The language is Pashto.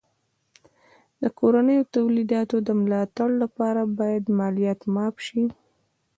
د کورنیو تولیداتو د ملا تړ لپاره باید مالیه معاف سي.